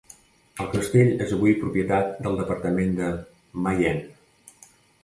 El castell és avui propietat del Departament del Mayenne.